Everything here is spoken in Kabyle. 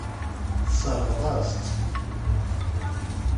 Tesseṛɣeḍ-as-tt.